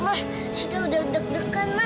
ma sita udah deg degan ma